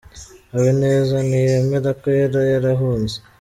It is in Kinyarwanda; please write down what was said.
Habineza ntiyemera ko yari yarahunze